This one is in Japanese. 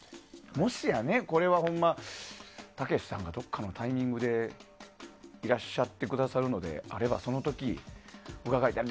もし、これはたけしさんがどこかのタイミングでいらっしゃってくださるのであればその時、伺いたい。